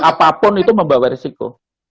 apapun itu membawa resiko